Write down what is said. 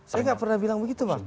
saya nggak pernah bilang begitu bang